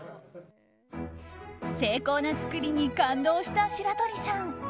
精巧な作りに感動した白鳥さん。